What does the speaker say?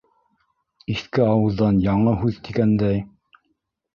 Иҫке ауыҙҙан яңы һүҙ тигәндәй...